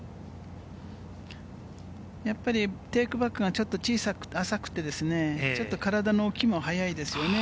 やっぱりテークバックがちょっと小さく浅くて、ちょっと体の動きも早いですね。